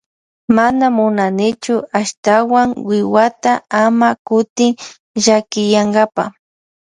Mana munanichu ashtawan wiwata ama kutin llakiyankapa.